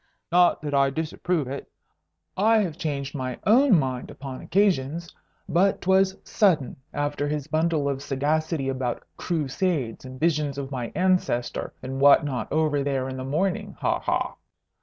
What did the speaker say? "Not that I disapprove it. I have changed my own mind upon occasions. But 'twas sudden, after his bundle of sagacity about Crusades and visions of my ancestor and what not over there in the morning. Ha! ha!